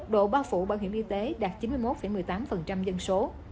độ bao phủ bảo hiểm y tế đạt chín mươi một một mươi tám dân số